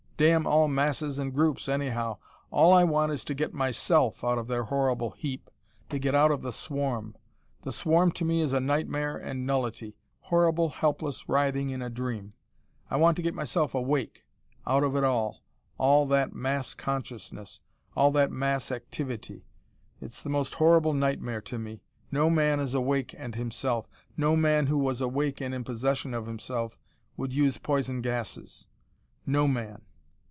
Damn all masses and groups, anyhow. All I want is to get MYSELF out of their horrible heap: to get out of the swarm. The swarm to me is nightmare and nullity horrible helpless writhing in a dream. I want to get myself awake, out of it all all that mass consciousness, all that mass activity it's the most horrible nightmare to me. No man is awake and himself. No man who was awake and in possession of himself would use poison gases: no man.